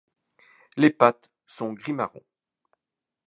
Les pattes sont gris-marron.